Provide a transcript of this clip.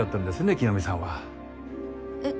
清美さんは。えっ？